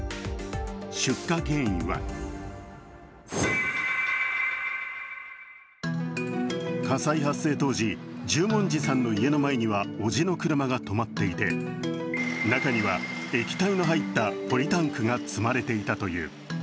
出火原因は火災発生当時、十文字さんの家の前には伯父の車が止まっていて中には液体の入ったポリタンクが積まれていたという。